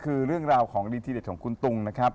คือเรื่องราวของดีทีเด็ดของคุณตุงนะครับ